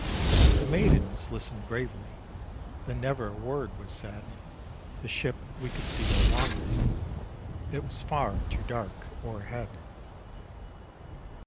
The maidens listened gravely, Then never a word was said, The ship we could see no longer; It was far too dark o'erhead.